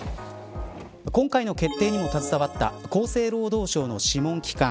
今回の決定にも携わった厚生労働省の諮問機関